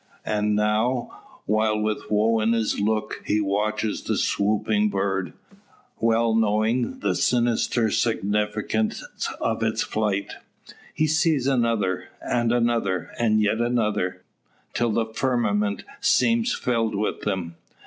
And now, while with woe in his look he watches the swooping bird, well knowing the sinister significance of its flight, he sees another, and another, and yet another, till the firmament seems filled with them.